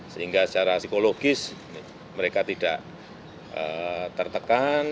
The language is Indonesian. sehingga secara psikologis mereka tidak tertekan